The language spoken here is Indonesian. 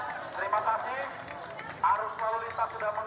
sudah terima kasih arus melalui kita sudah mengalir